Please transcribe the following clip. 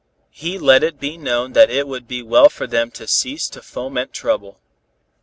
He let it be known that it would be well for them to cease to foment trouble.